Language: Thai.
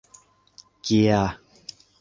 เกียร์